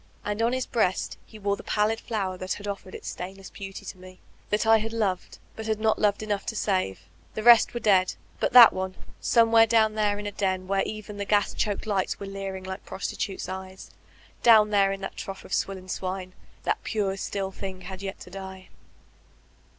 And on his breast he wore the pallid flower that had offered its stainless beauty to me, that I had toved,— «nd had not loved enough to save. The rest were dead; but that one — somewhere down there in a den where even the gas choked lights were leering like prostitutes* eyes, down there in that trough of swill and swine, that pure, still thing had yet to die.